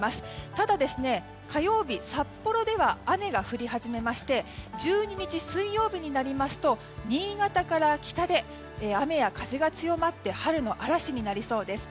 ただ、火曜日札幌では雨が降り始めまして１２日、水曜日になりますと新潟から北で雨や風が強まって春の嵐になりそうです。